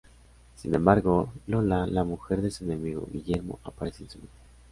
Sin embargo, "Lola", la mujer de su enemigo "Guillermo" aparece en su vida.